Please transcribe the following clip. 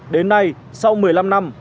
đến nay sau một mươi năm năm